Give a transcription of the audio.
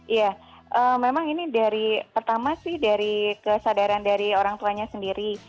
iya memang ini dari pertama sih dari kesadaran dari orang tuanya sendiri